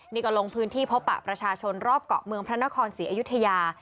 นี่ก็ลงพื้นที่พบปะประชาชนรอบเกาะเมืองพระนครศรีอยุธยา